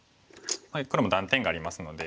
黒も断点がありますので。